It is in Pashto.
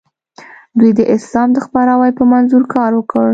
دوی د اسلام د خپراوي په منظور کار وکړ.